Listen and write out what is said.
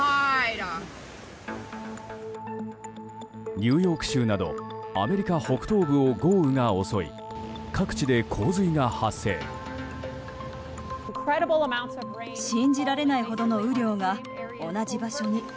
ニューヨーク州などアメリカ北東部を豪雨が襲い各地で洪水が発生。